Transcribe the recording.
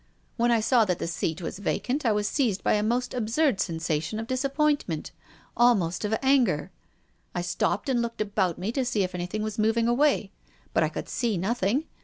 When I saw that the seat was vacant I was seized by a most absurd sensation of disappointment, almost of anger. I stopped and looked about me to see if anything was moving away, but I could see nothing.